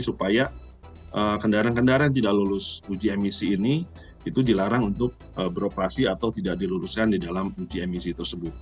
supaya kendaraan kendaraan tidak lulus uji emisi ini itu dilarang untuk beroperasi atau tidak diluruskan di dalam uji emisi tersebut